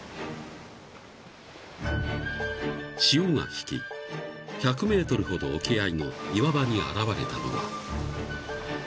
［潮が引き１００ｍほど沖合の岩場に現れたのは］